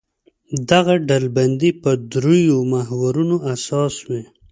دغه ډلبندي پر درېیو محورونو اساس وي.